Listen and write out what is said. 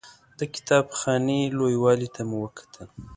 د کتاب خانې لوی والي ته مو وکتل.